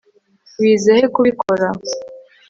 wize he kubikora